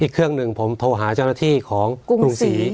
เครื่องหนึ่งผมโทรหาเจ้าหน้าที่ของกรุงศรี